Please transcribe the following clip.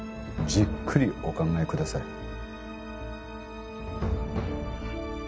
じっくりお考えください